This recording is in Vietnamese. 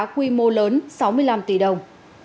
quy mô lớn sáu mươi năm tỷ đồng